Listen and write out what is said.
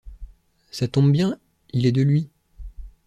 Ça tombe bien il est de lui.